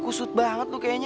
kusut banget kamu kayaknya